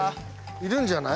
いるんじゃない？